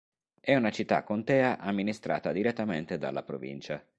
È una città-contea amministrata direttamente dalla provincia.